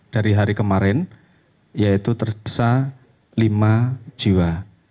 dari hari kemarin yaitu tersisa lima jiwa